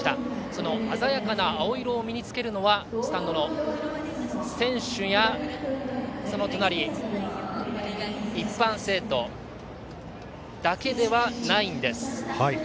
その鮮やかな青色を身に着けるのはスタンドの選手や一般生徒だけではないんです。